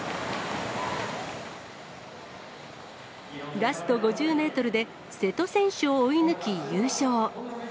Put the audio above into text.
ラスト５０メートルで、瀬戸選手を追い抜き、優勝。